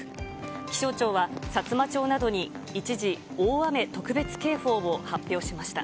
気象庁は、さつま町などに一時、大雨特別警報を発表しました。